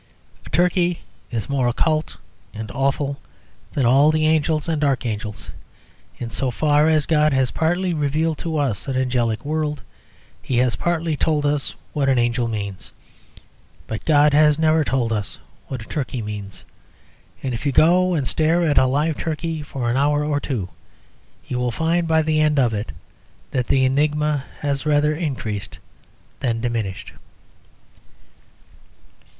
A turkey is more occult and awful than all the angels and archangels In so far as God has partly revealed to us an angelic world, he has partly told us what an angel means. But God has never told us what a turkey means. And if you go and stare at a live turkey for an hour or two, you will find by the end of it that the enigma has rather increased than diminished.